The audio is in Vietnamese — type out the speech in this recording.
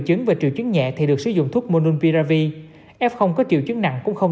chứng và triệu chứng nhẹ thì được sử dụng thuốc mononpiravir f có triệu chứng nặng cũng không